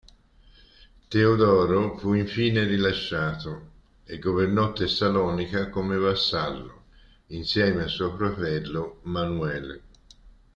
Teodoro fu infine rilasciato e governò Tessalonica come vassallo insieme a suo fratello Manuele.